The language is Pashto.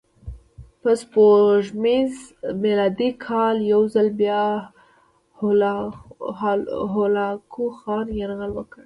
په سپوږمیز میلادي کال یو ځل بیا هولاکوخان یرغل وکړ.